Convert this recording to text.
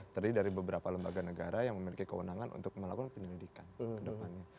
terdiri dari beberapa lembaga negara yang memiliki kewenangan untuk melakukan penyelidikan ke depannya